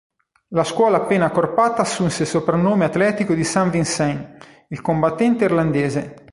La scuola appena accorpata assunse il soprannome atletico di St. Vincent, il combattente irlandese.